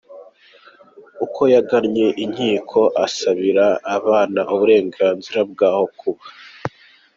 Uko yagannye inkiko asabira abana uburenganzira bw’aho kuba.